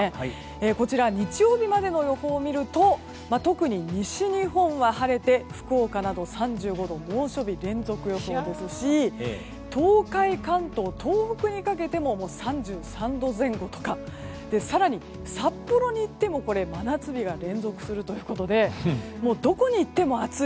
こちら日曜日までの予報を見ると特に西日本は晴れて福岡など３５度、猛暑日連続予想ですし東海、関東、東北にかけても３３度前後とか更に札幌に行っても真夏日が連続するということでどこに行っても暑い。